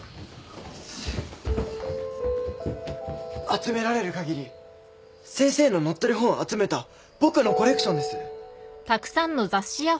集められる限り先生の載ってる本集めた僕のコレクションです。